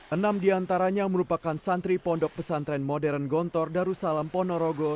enam diantaranya merupakan santri pondok pesantren modern gontor darussalam ponorogo